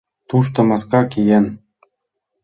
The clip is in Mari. Тушто маска киен.